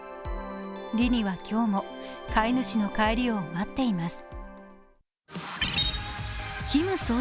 リニは今日も飼い主の帰りを待っています。